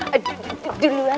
aduh dulu aja ya